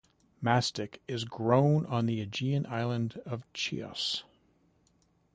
Mastic is grown on the Aegean island of Chios.